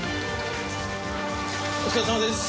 お疲れさまです！